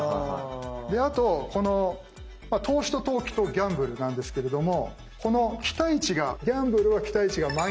であとこの投資と投機とギャンブルなんですけれどもこの期待値がギャンブルは期待値がマイナス。